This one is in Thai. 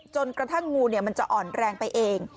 จนกระทั่งงูมันจะอ่อนแรงไปเอง